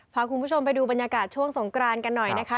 พาคุณผู้ชมไปดูบรรยากาศช่วงสงกรานกันหน่อยนะคะ